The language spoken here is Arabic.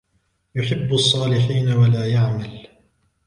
يُحِبُّ الصَّالِحِينَ وَلَا يَعْمَلُ